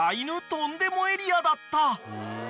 とんでもエリア！？だった］